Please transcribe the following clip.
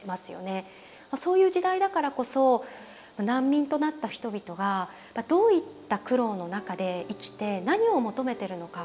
そういう時代だからこそ難民となった人々がどういった苦労の中で生きて何を求めてるのか。